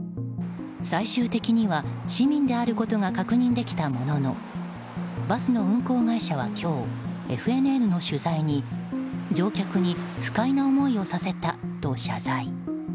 最終的には市民であることが確認できたもののバスの運行会社は今日ＦＮＮの取材に乗客に不快な思いをさせたと謝罪。